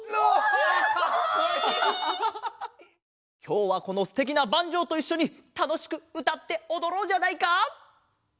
きょうはこのすてきなバンジョーといっしょにたのしくうたっておどろうじゃないか！